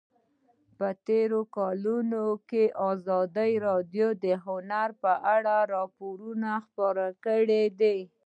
په تېرو کلونو کې ازادي راډیو د هنر په اړه راپورونه خپاره کړي دي.